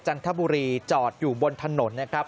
จันทบุรีจอดอยู่บนถนนนะครับ